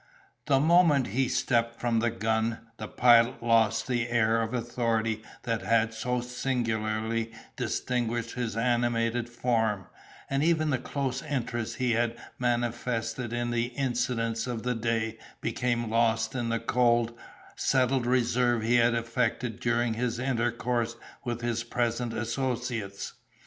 The moment he stepped from the gun, the Pilot lost the air of authority that had so singularly distinguished his animated form, and even the close interest he had manifested in the incidents of the day became lost in the cold, settled reserve he had affected during his intercourse with his present associates.